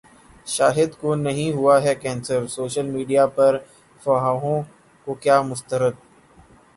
شاہد کونہیں ہوا ہے کینسر، سوشل میڈیا پرافواہوں کو کیا مسترد